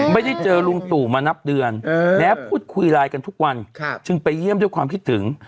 ไม่ได้เจอลุงตู่มานับเดือนแล้วพูดคุยไลน์กันทุกวันจึงไปเยี่ยมด้วยความคิดถึง